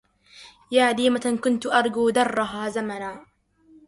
يا ديمةً كنتُ أرجو دَرَّها زَمناً